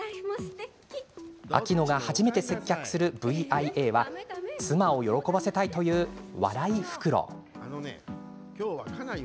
秋乃が初めて接客するＶ．Ｉ．Ａは妻を喜ばせたいというワライフクロウ。